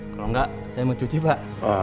kalau enggak saya mau cuci pak